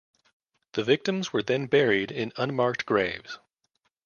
The victims were then buried in unmarked graves.